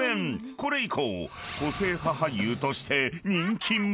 ［これ以降］